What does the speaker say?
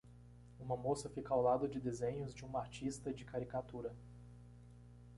Uma moça fica ao lado de desenhos de uma artista de caricatura.